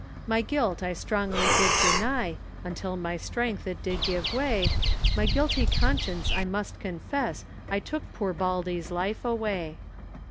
My guilt I strongly did deny, Until my strength it did give way, My guilty conscience, I must confess I took poor Baldey's life away.